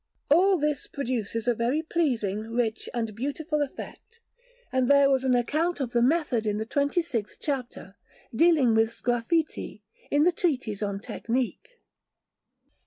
All this produces a very pleasing, rich, and beautiful effect; and there was an account of the method in the twenty sixth chapter, dealing with sgraffiti, in the Treatise on Technique.